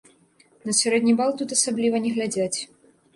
На сярэдні бал тут асабліва не глядзяць.